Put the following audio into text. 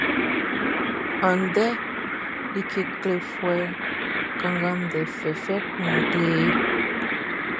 Andɛʼn, like klefuɛʼn kanngan ndɛ fɛfɛ kun nun kle e.